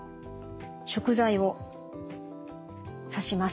食材を刺します。